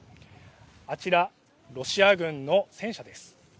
あちら、ロシア軍の戦車です。